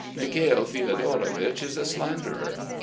Mikhail Fiodorovich is a slanderer.